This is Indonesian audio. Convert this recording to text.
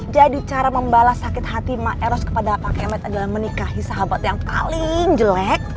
jadi cara membalas sakit hati emang eros kepada pak kemet adalah menikahi sahabat yang paling jelek